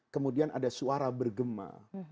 kemudian ada suara bergema